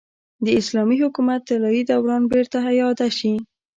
د اسلامي حکومت طلايي دوران بېرته اعاده شي.